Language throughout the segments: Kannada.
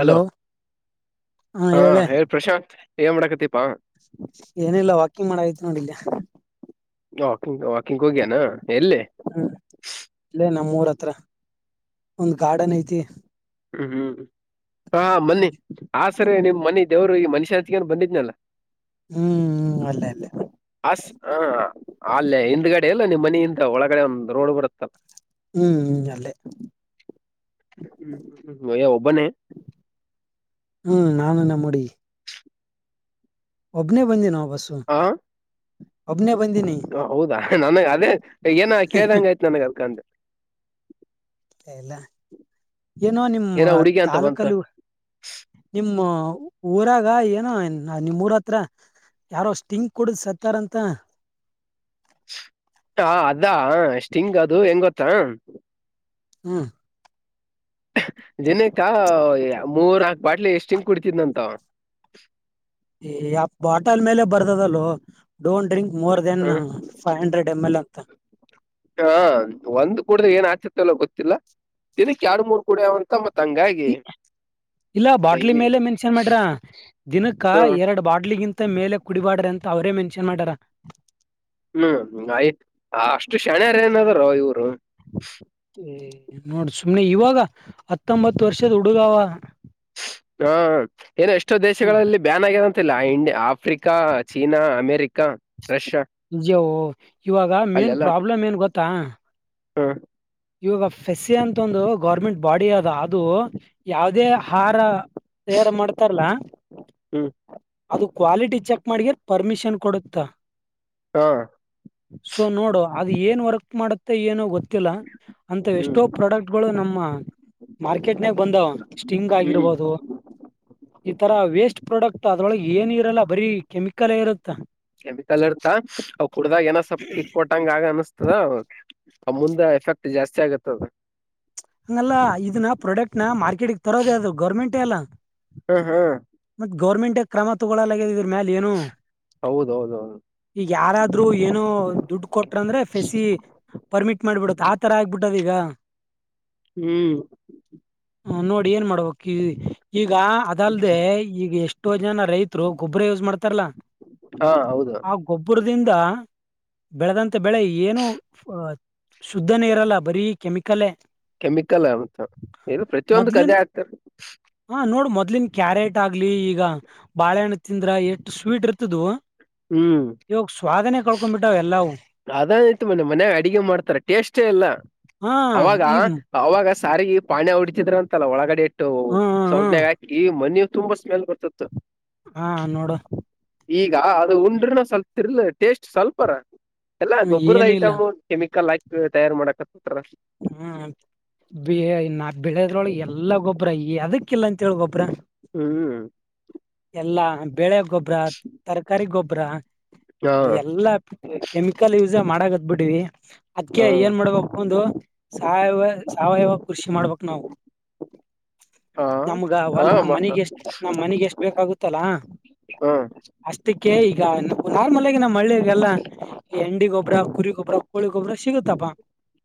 ಹಲೋ ಹಾ ಹೇಳ ಪ್ರಶಾಂತ್ ಏನ್ ಮಾಡಕತಿ ಏನಿಲ್ಲ ವಾಕಿಂಗ್ ಮಾಡತೀನಿ ಹಡಿಲ್ಲ [unintelligible] ವಾಕಿಂಗ್ ವಾಕಿಂಗ್ ಹೋಗ್ಯನಾ ಎಲ್ಲೇ ಹ್ಮ್ ಇಲ್ಲೇ ನಮ್ಮೂರ್ ಹತ್ರ ಒಂದ್ ಗಾರ್ಡನ್ ಐತಿ ಹ ಹ್ಮ್ ಹಾ ಮನ್ನಿ ಆಸರಿ ನಿಮ್ ಮನೆಿ ದವ್ರು ಈ ಮನುಷಾಂತ ಏ ಬಂದಿದ್ನಲ್ಲ ಹ್ಮ್ ಅಲ್ಲೇ ಅಲ್ಲೇ ಅಸ್ ಹ ಅಲ್ಲ ಹಿಂದ್ಗಡೆಲ್ಲ ಇಲ್ಲ ನಿಮ್ಮ್ ಮನೆಯಿಂದ ಒಳಗಡೆ ಒಂದ್ ರೋಡ್ ಬರುತ್ತಲ್ಲ ಹ್ಮ್ ಹ್ಮ ಅಲ್ಲೇ ಹ್ಮ್ಮ ವಯ ಬನ್ನ ಹ್ಮ್ ನಾನು [unintelligible] ಒಬ್ನೇ ಬಂದಿ ನಾವು ವಸ ಹ ಹೌದಾ ನನ್ ಅದೇ ಏನ ಕೇಳ್ದಂಗ ಆಯ್ತ್ು ನನಗೆ ಅಲ್ಕಂತೆೆ ಇಲ್ಲ ಏನೋ ನಿಮ್ಮ ಏನೋ ಹುಡುಗಿ ಅಂತ ಬಂತ ತಾಲೂಕಲ್ಲ ನಿಮ್ಮ ಊರಾಗ ಈಗ ಏನೋ ನಿಮ್ೂರ ಹತ್ರ ಯಾರೋಷ್ಟಿಂಕ್ ಕೊಡುದ್ ಸತ್ತಾರ್ ಅಂತ ಹಾ ಅದಾ ಎಷ್ಟ ಹಿಂಗ್ ಅದು ಹೆಂಗ ಗೊತ್ತಾ ಹ್ಮ ದಿನಕ್ಕ ಮೂರ ಬಾಟ್ಲೆ ಎಷ್ಟ ಹಿಂ ಕುಡ್ತಿದಂತ ಯ ಬಾಟಲ್ ಮೇಲೆ ಬರ್ತದಲ್ೋ don't drink more then hmm five hundred M L ಅಂತ ಹ ಒಂದ್ ಕೂಡ್ರೆ ಏನ್ ಆತ ಲ್ಲ ಗೊತ್ತಿಲ್ಲ ದಿನಕ್ಕೆ ಎರಡು ಮೂರ್ ಕಡಂತ ಮತ್ತೆ ಇಲ್ಲ ಬಾಟ್ಲಿ ಡೈಲಿ ಮೇಲೆ ಮೆನ್ಷನ್ ಮಾಡ್ರ ದಿನಕ್ಕ ಹ್ಮ್ ಎರಡು ಬಾಟ್ಲಿಗಿಂತ ಮೇಲೆ ಕುಡಿಬಾಡ್ರಿ ಅಂತ ಅವರೇ ಮೆನ್ಷನ್ ಮಾಡಾರ ಹ್ಮ್ ಆಯ್ತು ಅಷ್ಟು ಶ್ಯಾಣಾರ ಏನದಾರ ಇವ್ರು ನೋಡ್ ಸುಮ್ನೆ ಇವಾಗ ಹತ್ತೊಂಬತ್ತು ವರ್ಷದ ಹುಡುಗಾವ ಹಾ ಏನೋ ಎಷ್ಟೋ ನೋಡ್ ದೇಶಗಳಲ್ಲಿ ಬ್ಯಾನ್ ಆಗರ ಇ ಇಂಡ ಆಫ್ರಿಕಾ ಚೀನಾ ಅಮೇರಿಕಾ ರಷ್ಯಾ ಜವ ಇವಾಗ ಮೇನ್ ಪ್ರಾಬ್ಲಮ್ ಏನ್ ಗೊತ್ತಾ ಹ್ಮ ಇವಾಗ ಫೆಸ್ಸಿ ಅಂತ ಒಂದು ಗೌರ್ಮೆಂಟ್ ಬಾಡಿ ಅದ ಅದು ಯಾವುದೇ ಆಹಾರ ಸೇವನೆ ಮಾಡ್ತಾರಲ್ಲ ಹ್ಮ್ ಅದು ಕ್ವಾಲಿಟಿ ಚೆಕ್ ಮಾಡಗ ಪರ್ಮಿಷನ್ ಕೊಡುತ್ತಾ ಹಾ ಸೊ ನೋಡುವ ಅದು ಏನ್ ವರ್ಕ್ ಮಾಡುತ್ತೆ ಏನೋ ಗೊತ್ತ ತಿಲ [unintelligible] ಅಂತ ಹ್ಮ್ ಎಷ್ಟೋ ಪ್ರಾಡಕ್ಟ್ಗಳು ನಮ್ಮ ಮಾರ್ಕೆಟ್ನಾಗ ಬಂದಾವ ಸ್ಟಿಂಗ್ ಹ್ಮ್ ಆಗಿರಬಹದು ಈತರ ವೇಸ್ಟ್ ಪ್ರಾಡಕ್ಟ್ ಅದ್ರೊಳಗೆ ಏನು ಇರಲ್ಲ ಬರೀ ಕೆಮಿಕಲ್ ಮಿಕ್ಕಲೆ ಇರುತ್ತಾ ಕೆಮಿಕಲ್ ಇರ್ತ ಅವ ಕುಡ್ದಾಗ ಏನ ಸ್ವಲ್ಪ ಕಿಕ್ ಕೊಟ್ಟಂಗ ಆಗ ಅನಸ್ತದ ಅವ ಆ ಮುಂದ ಎಫೆಕ್ಟ್ ಜಾಸ್ತಿ ಆಗತ್ತದ ಹಂಗಲ್ಲ ಇದನ್ನ ಪ್ರಾಡಕ್ಟ್ ನ ಮಾರ್ಕೆಟ್ಗ್ ತರೋದೇ ಆದದು ಗೌರ್ಮೆಂಟ್ ಟಲ ಹ್ಮ್ ಹ್ಮ್ ಗೌರ್ಮೆಂಟ್ ಕ್ರಮ ತಗೊಳ್ಳಲ್ಲಗಿದ್ರ ಮ್ಯಾಲ ಏನು ಹೌದೌದೌದು ಈಗ ಯಾರಾದ್ರೂ ಏನೋ ದುಡ್ಡು ಕೊಟ್ರ ಅಂದ್ರೆ ಫೆಸಿ ಪರ್ಮಿಟ್ ಮಾಡ್ಬಿಡುತ್ತ ಆತರ ಆಗ್ಬಿಟ್ಟ ಕೊಟ್ಟದಿಗ ಹ್ಮ್ ನೋಡ ಏನ್ ಮಾಡ್ಬೇಕಿಗ ಈ ಈಗ ಅದಲ್ಲದೆ ಈಗ ಎಷ್ಟ ನ ರೈತರು ಗೊಬರ ಯೂಸ್ ಮಾಡ್ತಾ ರೆ ಲ್ಲ ಹಾ ಹೌದು ಆ ಗೊಬ್ಬರ ರಿಂದ ಬೆಳೆದಂತ ಬೆಳೆ ಏನು ಶುದ್ಧನೇ ಇರಲ್ಲ ಬರೀ ಕೆಮಿಕಲ್ೇ ಕೆಮಿಕಲ್ ಅಂತ ಏನು ಪ್ರತಿಯೊಂದು ಕದೆ ಆಕ್ತಾರ ಅದ್ಲನ್ ಕ್ಯಾರೆಟ್ ಆಗ್ಲಿ ಈಗ ಬಾಳೆಹಣ್ಣು ತಿಂದ್ರ ಎಷ್ಟು ಸ್ವೀಟ್ ಇರ್ತದವು ಹ್ಮ್ ಇವಾಗ ಸ್ವಾದನೆೇ ಕಳ್ಕೊತಂಬಿ ಟ್ಟಾವ ಎಲ್ಲವು ಅದಾಯತು ಮನೆೆ ಮನೆಗ ಅಡಗೆ ಮಾಡ್ತಾರೆ ಟೇಸ್ಟ್ ಇಲ್ಲ ಹಾ ಅವಾಗ ಈಗ ಅವಾಗ ಸಾರಿಗೆ ಪಾಣಿ ಹೊಡತಿದ್ರ ಅಂತಲ್ಲ ಒಳಗಡೆ ಎು ಹ್ಮ ಹ್ಮ್ ಸೌಟ್ನಯಾಗ ಈ ಮನ ತುಂಬಾ ಸ ಹಾ ನೋಡು ಈಗ ಅದು ಉಂಡ್ರನ ಸ್ವಲ್ಪ ತಿರ್ಲ ಟೇಸ್ಟ್ ಸ್ವಲ್ಪರ ಎಲ್ಲಾ ಹ್ಮ್ ಗೊಬ್ಬರದ ಏನಿಲ್ಲ ಐಟಮ್ ಕೆಮಿಕಲ್ ಹಾಿ ತಯಾರ ಮಾಡಕ ಹ್ಮ್ ನಾ ಬೆಳೆದ್ರೊಳಗೆ ಎಲ್ಲ ಗೊಬ್ಬರ ಅದಕ್ ಹಾಕ್ಕಿಲ್ಲ ಅಂತ ಹೇಳ ಗೊಬ್ರ ಹ್ಮ್ ಎಲ್ಲಾ ಬೆಳೆ ಗೊಬ್ಬರಾತ್ ತರಕಾರಿ ಗೊಬ್ಬರ ಹಾ ಗೂಬ್ರ ಎಲ್ಲಾ ಕೆಮಿಕಲ್ ಯೂಸ ಮಾಡಕತ್ ಬಿಟ್ಟವಿ ಅದ್ಕ ಹಾ ಏನ್ ಮಾಡ್ಬೇಕ ಒಂದು ಸಾವವ ಸಾವಯವ ಕೃಷಿ ಮಾಡ್ಬೇಕಕ್ ನಾವು ಹಾ ನಮ್ಗ ಅಲ್ ಹಾ ನಮ್ಮ್ ಮ ಮನೆಗೆ ಎಷ್ಟ ನಮ್ಮ್ ಮನೆಗೆ ಎಷ್ಟ ಬೇಕಾಗುತ್ತಲಾ ಹಾ ಅಷ್ಟಕ್ಕೆ ಈ ಈಗ ನಾರ್ಮಲ್ ಆಗಿ ನಮ್ಮ್ ಮಳ್ಳಿಗೆಲ್ಲಾ ಎಂಡಿ ಗೊಬ್ರ ಕುರಿ ಗೊಬ್ರ ಕೋಳಿ ಗೊಬ್ಬ್ರ ಸಿಗುತ್ತಪ್ಪಾ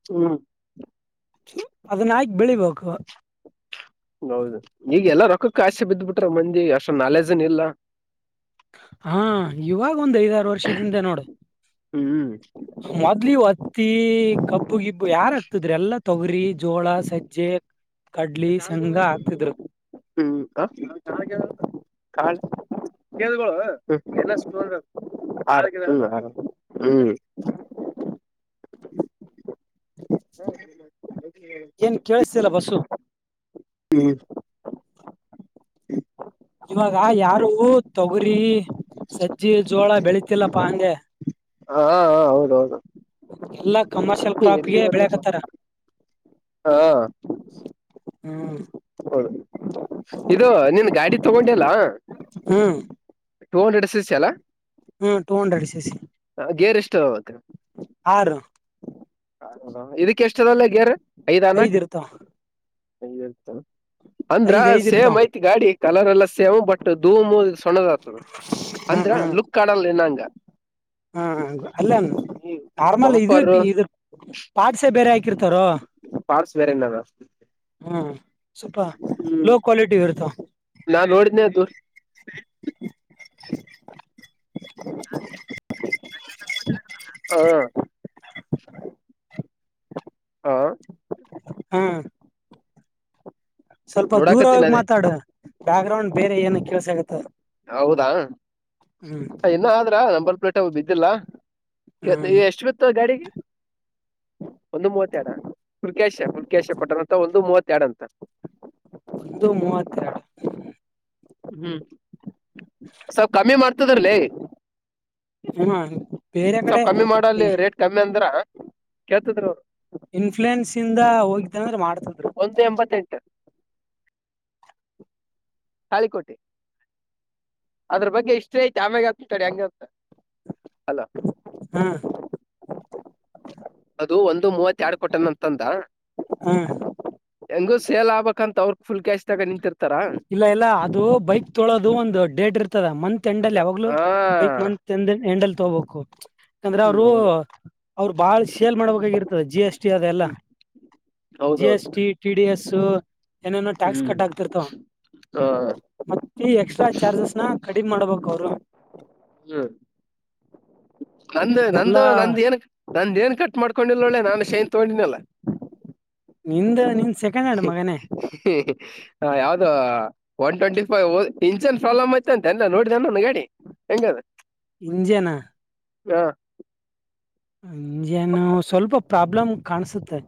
ಹ್ಮ ಅದ್ನಾಯಕು ಬೆಳಿಬೇಕು ಹೌದು ಈಗ ಎಲ್ಲ ರೊಕ್ಕ ಕಾಸಿ ಬ್ಬ ಬಿಟ್ರ ಮಜಿಗೆ ನಾಲೆಜನ ಇಲ್ಲ ಹಾ ಇವಾಗ ಒಂದ್ ಐದಾರು ವರ್ಷದಿಂದ ನೋಡು ಹ್ಮ್ ಮೊದ್ಲು ಇ ಈ ಹಗಿಯಾರಾಗಗ್ತದ್ರ ಎಲ್ಲಾ ತೌರಿ ಜೋಳ ಸಜ್ಜೆ ಕಡ್ಲಿ ಹ್ಮ ಶೇಂಗಾ ಹಾಕ್ತಿದ್ರು ಹ್ಮ ಏನ್ ಕೇಳಿಸತಿಲ್ಲ ಬಸು ಹ ಹ್ಮ ಹ್ಮ ಇವಾಗ ಯಾರು ಗುರಿ ಸಜ್ಜಿ ಜೋಳ ಬೆಳತಿಲ್ಲಪ್ಪ ಅಂದೆ ಹಾ ಹೌದೌದು ಎಲ್ಲಾ ಕಮರ್ಷಿಯಲ್ ಪ್ರಾಪ್ಗೆ ಬೆಳಕತ್ತಾರ ಹಾ ಹ್ಮ ಹೌದು ಇದು ನಿನ್ ಗಾಡಿ ತಗೊಂಡೆಲ್ಲ ಹ್ಮ್ ಟೂ ಹಂಡ್ರೆಡ್ ಎಸ್ ಸಿ ಅಾ ಹ್ಮ ಟೂ ಹಂಡ್ರೆಡ್ ಸೇಸ ಗೇರ್ ಇಷ್ಟು ಅವತ್ತೆ ಇದಕ್ಕೆ ಎಷ್ಟದಲ್ಲ ಎಾರ [unintelligible] ಐದ್ ಇರುತ್ತಾ ಹ ಅಂತ ಅಂದ್ರ ಸೇಮ್ ಇರ್ತಾವ ಐತಿ ಗಾಡಿ ಕಲರ್ ಎಲ್ಲ ಸೇಮ್ ಬಟ್ ಧೂಮು ಸಣ್ಣದ್ ಆಗ್ತದ ಹ್ಮ್ ಅಂದ್ರ ಹ್ಮ್ ಲುಕ್ ಕಡಲ್ಲ ಇನ್ನಂಗ ಹಾ ಅಲ್ಲ ನಾರ್ಮಲ್ ಇದು ಪಂಪರ್ ಇದು ಪಾರ್ಟ್ಸೇ ಬೇರೆ ಹಾಕಿರ್ತಾರೋ ಪಾರ್ಟ್ಸ್ ಬೇರೆನಾರ ಹ್ಮ ಸುಪ ಹ್ಮ್ ಲೋ ಕ್ವಾಲಿಟಿ ಇರ್ತ ನಾ [unintelligible] [inaudible] [inaudible] ಹಾ [unintelligible] ಹಾ ಹಾ ಸ್ವಲ್ಪ ದೂರ ನೋಡಾಕತ್ತೀನಿ ಹೋಗಿ ಅದೇ ಮಾತಾಡ ಬ್ಯಾಕ್ ಗ್ರೌಂಡ್ ಬೇರೆ ಏನಕ್ಕೆ ಕೆಲ್ಸ ಆಗತ್ತ ಹೌದಾ ಇನ್ನು ಆದ್ರ ನಂಬರ್ ಪ್ಲೇಟ್ ಬಿದ್ದಿಲ್ಲ ಹ್ಮ್ ಎಷ್ಟು ಬಿತ್ತು ಗಾಡಿಗೆ ಒಂದು ಮೂವತ್ತ ಎಡ ಹುಲ್ಕೇಶ ಪುಲ್ಕೇಶ ಕೊಟ್ಟಂತ ಒಂದು ಮೂವ ನಂತರ [unintelligible] ಒಂದು ಮೂವತ್ತೆರಡು ಹ್ಮ್ ಸ್ವಲ್ ಕಮ್ಮಿ ಮಾಡ್ತದ್ರಲಿ ಹ್ಮ ಬೇರೆ ಸ್ವ ಕಡೆ ಕಮ್ಮಿ ಮಾಡಲ್ಲಿ ರೇಟ್ ಕಮ್ಮಿ ಅಂದ್ರ ಕೇಳ್ತದ್ರ ಅವರು ಇನ್ಫ್ಲೂಯೆನ್ಸ್ ಇಂದ ಹೋಗಿದ್ದ ಅಂದ್ರೆ ಮಾಡ್ತಿದ್ರು ಒಂದು ಎಂಬತ್ತೆಂಟು ತಳಿಕೋಟ್ಟೆ ಅದ್ರ ಬಗ್ಗೆ ಎಷ್ಟೇ ಮ ಗ ಚಡ್ಯಾಂಗಗೆ ಅಲ ಹ ಅದು ಒಂದು ಮೂವತ್ತ ಎರಡ್ ಕೊಟ್ಟನ ಅಂತಂದ ಹ ಹೆಂಗು ಸೇಲ್ ಆಬೇಕಂತ ಅವ್ರರು ಇಲ್ಲ ಇಲ್ಲ ಅದು ಬೈಕ್ ತೋಳೋದು ಒಂದು ಡೇಟ್ ಇರ್ತದ ಮಂತ್ ಎಂಡಲ್ಲಿ ಯಾವಾಗ್ಲೂ ಹಾ ಬೈಕ್ ಮಂತ್ ಎ ಎಂಡಲ್ಲಿ ತಗಬೇಕು ಯಾಕಂದ್ರೆ ಹ್ಮ್ ಅವರು ಹೌದು ಅವರು ಬಾಳ್ ಸೇಲ್ ಮಾಡ್ಬೇಕಾಗಿರ್ತದ ಜಿ ಎಸ್ ಟಿ ಅದೆಲ್ಲಾ ಹ್ಮ್ ಜಿ ಹೌದೌದು S T T D S ಏನೇನೋ ಟ್ಯಾಕ್ಸ್ ಕೊ ಹ್ಮ್ ಕಟ್ ಆಗ್ತಿರ್ತ ಹಾ ಮತ್ತೆ ಈ ಎಕ್ಸ್ಟ್ರಾ ಚಾರ್ಜಸ್ ನ ಕಡಿಮ್ ಮಾಡಬ ಕೊು ಹ್ಮ್ ನಂದು ನಂದು ಎಲ್ಲಾ ನಂದ ಏನ್ ನಂದ ಏನ್ ಕಟ್ ಮಾಡ್ಕೊಂಡಿಲ್ಲ ಒಳ್ಳೆ ನಾನು ಶೇನ್ ತೊಗೊಂಡಿನಲ್ಲ ನಿಂದ ನಿಂದ ಸೆಕೆಂಡ್ ಹಡ್ ಮಗನೇ ಹಾ ಯಾವ್ದ one twenty five engine problem ಆಯ್ತ ಅಂತೆ ಎಲ್ಲ ನೋಡಿದಾನ ಗಾಡಿ ಎಟಾವ ಇಂಜನ ಹಾ ಇಂಜನ್ನು ಸ್ವಲ್ಪ ಪ್ರಾಬ್ಲಮ್ ಕಾಣಸುತ್ತೆ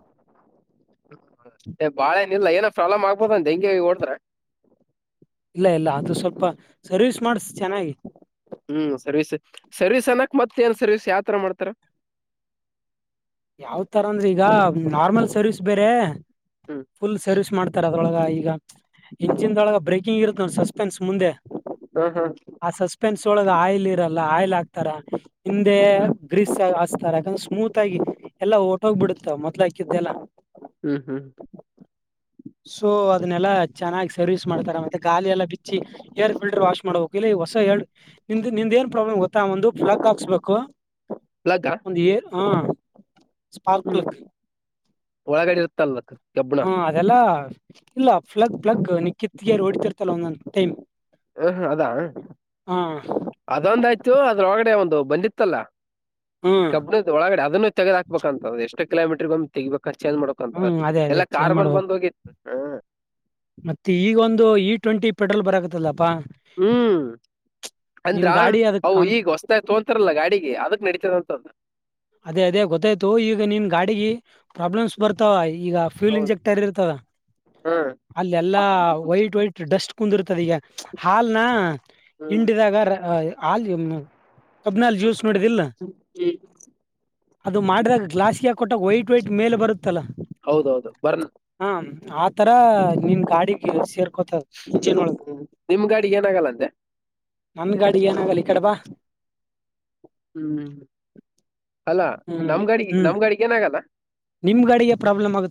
ಬಾಳ ಏನ ಇಿಲ್ಲ ಏನ ಪ್ರಾಬ್ಲಮ್ ಆಗ್ಬೋದ ಅಂತ ಹೆಂಂಗಗೆ ಹೊಓಡದ್ರ ಲ್ಲ ಅದು ಸ್ವಲ್ಪ ಸರ್ವಿಸ್ ಮಾಡಸ ಚೆನ್ನಾಗಿ ಹ್ಮ್ ಸರ್ವಿಸ್ ಸರ್ವಿಸ್ ಅನ್ನಕ್ ಮತ್ತ ಏನ್ ಸರ್ವಿಸ್ ಯಾವತರ ಮಾಡ್ತಾರ ಯಾವ ತರ ಅಂದ್ರೆ ಈಗ ನಾರ್ಮಲ್ ಸರ್ವಿಸ್ ಬೇರೆ ಹ್ಮ್ ಫುಲ್ ಸರ್ವಿಸ್ ಮಾಡ್ತಾರ ೊಳಗ ಈಗ ಇಂಜಿನ್ೊಳಗ ಬ್ರೇಕಿಂಗ್ ಇರುತ್ತೆ ಸಸ್ಪೆನ್ಸ್ ಮುಂದೆ ಹಾ ಹಾ ಆ ಸಸ್ಪೆನ್ಸ್ ಒಳಗ ಆಯಿಲ್ ಇರಲ್ಲ ಆಯಿಲ್ ಆಾಕ್ತಾರ ಹಿಂದೆ ಹ್ಮ್ ಗ್ರೀಸ್ ಯಾಕಂದ್ರೆ ಸ್ಮೂತ್ ಆಗಿ ಎಲ್ಲಾ ಓಟ ಹೋಗ್ಬ ಬಿಡುತ್ತ ಮೊದಲ ಹಾಕಿದ್ದೆಲ್ಲ ಹ್ಮ್ ಹ್ಮ್ [inaudible] ಸೊ ಅದನ್ನೆಲ್ಲಾ ಚೆನ್ನಾಗಿ ಸರ್ವಿಸ್ ಮಾಡ್ತಾರ ಮತ್ತೆ ಗಾಳಿ ಎಲ್ಲ ಬಿಚ್ಚಿ ಏರ್ ಫಿಲ್ಟರ್ ವಾಶ್ ಮಾಡಬೇಕ ಇಲ್ಲಿ ಹೊಸ ಎ ನಿಮ್ದ ನಿಮ್ದ ಏನ್ ಪ್ರಾಬ್ಲಮ್ ಗೊತ್ತಾ ಒಂದು ಫ್ಲಕ್ ಹಾಕ್ಸ್ಬೇಕು ಲಗ್ಗ ಒಂದ ಏರು ಹಾ ಹ್ಮ್ ಒಳಗಡೆ ಇರುತ್ತ ಅಲ್ಲಕ್ಕ ಹಾ ಅದೆಲ್ಲ ಇಲ್ಲ ಫ್ಲಗ್ ಫ್ಲಗ್ ನಿಕ್ಕಿತ್ಗ ಹೊಡ್ತಿರ್ತಲ್ಲ ಒಂದೊಂದು ಟೈಮ್ ಹ ಅದಾ ಹ ಅದೊಂದಯ್ತು ಅದ್ರ ಒಳಗಡೆ ಒಂದು ಅದು ಬಂದಿತ್ತಲ್ಲ ಹ್ಮ್ ಕಬ್ಬಡ ಒಳಗಡೆ ಅದನ್ನು ತಗದ ಹಾಬೇಕಂತ ಎಷ್ಟ ಕಿೋಮೀಟರ್್ ತಗಬೇಕು ಖರ್ಚ್ ಮಾಡ್ಕೊಂತ ಹ್ಮ್ ಅದೇ ಅದೇ ಎಲ್ಲಾ ಚೇಂಜ್ ಕಾರ್ಬನ್ ಮಾಡ್ಬೇಕು ಬಂದ್ ಹೋಗಿತ್ತು ಹ್ಮ್ ಮತ್ತೆ ಈಗ ಒಂದು ಇ ಟ್ವೆಂಟಿ ಪೆಟ್ರೋಲ್ ಬರಕತ್ತಲ್ಲಪ್ಪಾ ಹ್ಮ್ ಅಂದ್ರ ನಿನ್ ಗಾಡಿ ಅದಕ್ ಅ ಕಾಂಪ ಈಗ ಹೊಸತಾಯ ತೋಂತಾರಲ್ಲ ಗಾಡಿಗೆ ಅದಕ್ ನಡತದಂತದ್ದ ಅದೇ ಅದೇ ಗೊತ್ತಾಯ್ತು ಈಗ ನಿಮ ಗಾಡಿಗೆ ಪ್ರಾಬ್ಲಮ್ಸ್ ಬರ್ತಾವ ಈಗ ಫ್ಯೂಲ್ ಹೌದು ಇಂಜೆಕ್ಟರ್ ಇರ್ತವ ಹ್ಮ್ ಅಲ್ಲ ಎಲ್ಲಾ ವೈಟ್ ವೈಟ್ ಡಸ್ಟ್ ಕುಂದಿರ್ತದ ಈಗ ಹಾಲ್ನ ಹ್ಮ್ ಹಿಂಡಿದಾಗ ಹ ಕಬ್ನಲ್ ಜ್ಯೂಸ್ ನೋಡಿದಿಲ್ಲ ಹ್ಮ್. ಅದು ಮಾಡಿದಾಗ ಗ್ಲಾಸಿಯಾ ಕೊಟ್ಟಾಗ ವೈಟ್ ವೈಟ್ ಮೇಲೆ ಬರುತ್ತೆ ಹೌದೌದು ಬರ್ಣ ಆತರ ನಿನ್ ಗಾಡಿಗೆ ಸೇರ್ ಹ್ಮ ನಿಮ್ ಗಾಡಿ ಏನಾಗಲ್ಲಂತೆ ನಮ್ ಗಾಡಿ ಏನಾಗಲ್ಲ ಈ ಕಡ ಬಾ ಹ್ಮ್ ಅಲ್ಲಾ ಹ್ಮ್ ನಮ್ ಗಡಿಗೆ ಹ್ಮ್ ನಮ್ ಗಡಿಗೆ ಏನ ಆಗಲ್ಲ ನಿಮ್ ಗಾಡಿಗೆ ಪ್ರಾಬ್ಲಮ್ ಆಗುತ್ತೆ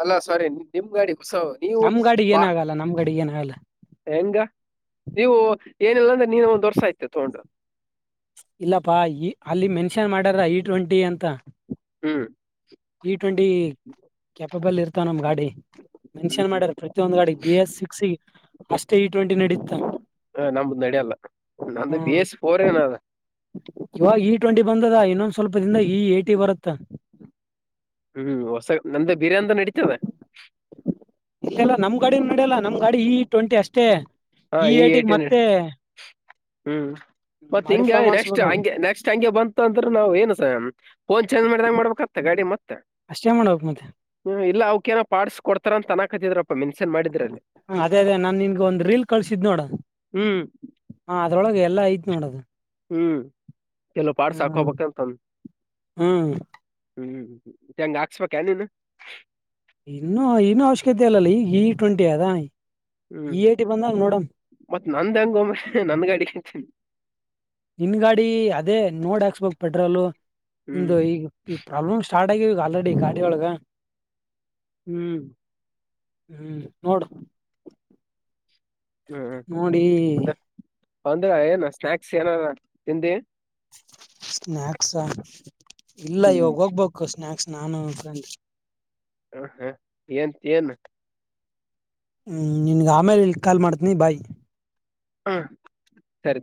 ಅಲ್ಲಾ ಸಾರಿ ನಿಮ್ ಗಾಡಿ ಹೊಸ ನೀವು ನಮ್ ಗಾಡಿಗೆ ಬಾ ಏನಾಗಲ್ಲ ನಮ್ ಗಾಡಿಗೆ ಏನಾಗಲ್ಲ ಹೆಂಗ ನೀವು ಏನಿಲ್ಲ ಅಂದ್ರೆ ನೀನು ಒಂದ್ ವರ್ಸ ಆಯತೆ ತಗೊಂಡು ಇಲ್ಲಪ್ಪಾ ಈ ಅಲ್ಲಿ ಮೆನ್ಷನ್ ಮಾಡ್ಯಾರ ಇ ಟ್ವೆಂಟಿ ಅಂತ ಹ್ಮ್ ಇ ಟ್ವೆಂಟಿ ಕೆಯಾಪಬಲ್ ಇರ್ತ ನಮ ಗಾಡಿ ಮೆನ್ಷನ್ ಹ್ಮ್. ಮಾಡ್ಯಾರ ಪ್ರತಿಯೊಂದು ಗಾಡಿ ಬಿ ಎಸ್ಕ ಸಿಕ್ಸ್ ಅಷ್ಟೇ ಇ ಟ್ವೆಂಟಿ ನಡೀತ್ತ ಹ ನಮ್ ನಡಲ್ಲ ನ್ದ ಬೇಸ್ಫೋರಏನ [unintelligible] ಯ ಈ [unintelligible] ಡ ಬದ ಇನ್ನೊ ಸ್ಲ್ಪ [unintelligible] ಹದಿಂದ ಈ ಏ ಟಿ ಬರುತ್ತಾ [unintelligible] ಹ್ಮ್ ಹೊಸ ನಮ್ದ ಬಿರ್ಯನ್ಂತ ನಡೀತದೆ ಮಾಡಲ್ಲ ನಮ್ ಗಾಡಿ ಈ ಟ್ವೆಂಟಿ ಅಷ್ಟೇ ಹಾ ಈ ಏಟಿಗೆ ಏಟೀನ್ ಮತ್ತೆ ಹ್ಮ್ ಮತ್ತತ್ ಹಿಂಗ ಮಾಡಿಫೈ ನೆಕ್ಸ್ಟ್ ಹಂಗೆ ಮಾಡ್ಸ್ಬೇಕಾಗುತ್ತೆ ನೆಕ್ಸ್ಟ್ ಹಂಗೆ ಬಂತ ಅಂದ್ರ ನಾವ್ ಏನ್ಸ ಫೋನ್ ಚೇಂಜ್ ಮಾಡಿದಂಗ ಮಾಡ್ಬೇಕತ್ತ ಗಾಡಿ ಮತ್ತೆ ಅಷ್ಟೇ ಮಾಡ್ಬೇಕಕ್ ಮತ್ತೆ ಇಲ್ಲಾ ಅವಕ ಏನ ಪಸ್ ಕೊಡ್ತ ತನಕತ್ತಿದ್ರ ಹ ಅದೇ ಅದೇ ನಾ ನಿನ್ಗ ಒಂದು ಲ್ ಕಳಸಿದ ನೋಡ ಹ್ಮ್ ಅದೊಳಗೆ ಎಲ್ಲ ಐತ್ ನೋಡೋದು ಹ್ಮ್ ಚಲೋ ಪಾಠ ಶಾಖ ಹಬ ಕೆಮ ತಮ್ಮ ಹ್ಮ್ ಹ್ಮ್ [unintelligible] ಹೆಂಗ ಹಾಕ್ಸ್ಬೇಕ ನೀನು ಇನ್ನುೂ ಇನ್ನು ಅವಶ್ಯಕತೆ ಅಲ್ಲಲ್ಲಿ ಈ ಜ ಟ್ವೆಂಟಿ ಅದ ಹ್ಮ್ ಇ ಏಟಿ ಬಂದಾಗ ನೋಡಮ್ ಮತ್ತತ್ ನಂದ ಹಂಗಮ್ಮ ನನ್ ಗಾಡಿ ನಿನ್ ಗಾಡಿ ಅದೇ ನೋಡ್ಾಕ್ಸ್ಬಕ್ ಪೆಟ್ರೋಲ್ ಹ್ಮ್ ನಿಮ್ದ ಈಗ ಪ್ರಾಬ್ಲಮ್ ಸ್ಟಾರ್ಟ್ ಇ ಆಲ್ರೆಡಿ ಗಾಡಿಯೊಳಗ ಹ್ಮ್ ಹ್ಮ್ ನೋಡ ಹ್ಮ್ ನೋಡಿ ಅಂದ್ರ ಅಂದ್ರ ಏನ್ ಸ್ನಾಯಕ್ಸ್ ಏನಾರ ತಿದಿ ಸ್ನ್ಯಕ್ಸ್ ಇಲ್ಲ ಇವಾಗ ಹ್ಮ್ ಹೋಗ್ಬೇಕು ಸ್ನ್ಯಾಕ್ಸ್ ನಾನು ಕಂದ ಹ ಹಾ ಏಂತ ಏನ್ ಹ್ಮ ನಿನ್ಗೆ ಆಮೇಲೆ ಕಾಲ್ ಮಾಡ್ತೀನಿ ಬಾಯ್ ಹಾ ಸರಿ